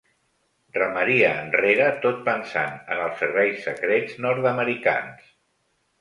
Remaria enrere tot pensant en els serveis secrets nord-americans.